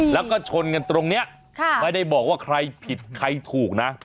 แล้วก็ชนกันตรงนี้ไม่ได้บอกว่าใครผิดใครถูกนะ